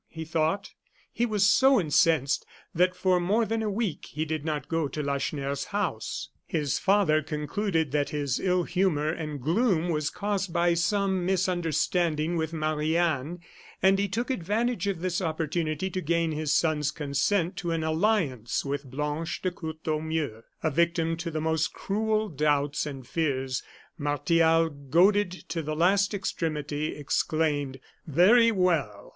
he thought. He was so incensed, that for more than a week he did not go to Lacheneur's house. His father concluded that his ill humor and gloom was caused by some misunderstanding with Marie Anne; and he took advantage of this opportunity to gain his son's consent to an alliance with Blanche de Courtornieu. A victim to the most cruel doubts and fears, Martial, goaded to the last extremity, exclaimed: "Very well!